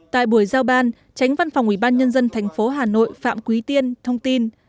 tại buổi giao ban chánh văn phòng ubnd tp hà nội phạm quý tiên thông tin